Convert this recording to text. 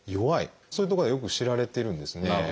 そういうところがよく知られてるんですね。